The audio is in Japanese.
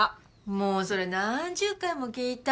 もうそれ何十回も聞いた。